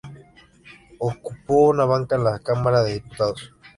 Ocupó una banca en la cámara de diputados.